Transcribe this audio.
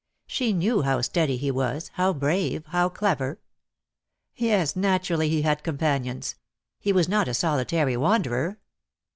She knew how steady he was, how brave, how clever. Yes, naturally he had companions; he was not a solitary wanderer.